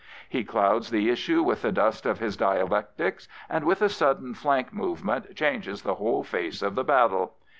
He clouSK the issue with the dust of "Sis didectics and with a sudden flank movement changes the whole face of the battle.